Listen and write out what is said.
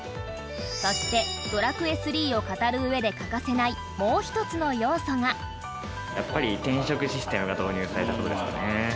そして、『ドラクエⅢ』を語るうえで欠かせないもう１つの要素がやっぱり、転職システムが導入された事ですかね。